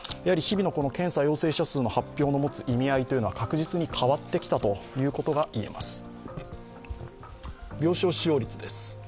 日々の検査陽性者の発表の持つ意味合いというのは確実に変わってきたということが言えます。